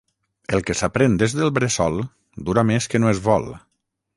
El que s'aprèn des del bressol dura més que no es vol.